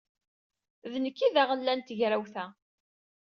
D nekk ay d aɣella n tegrawt-a.